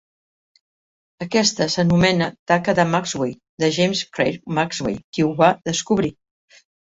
Aquesta s'anomena taca de Maxwell, de James Clerk Maxwell, qui ho va descobrir.